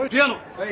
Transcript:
はい。